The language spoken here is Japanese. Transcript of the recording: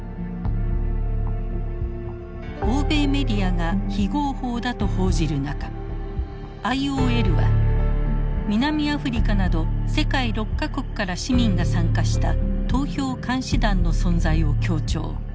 欧米メディアが非合法だと報じる中ＩＯＬは南アフリカなど世界６か国から市民が参加した投票監視団の存在を強調。